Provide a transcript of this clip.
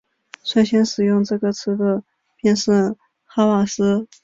率先使用这个词的便是哈瓦斯。